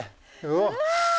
うわ！